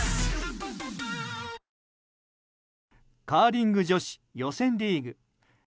カーリング女子予選リーグ。